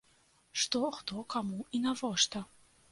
Што, хто, каму і навошта?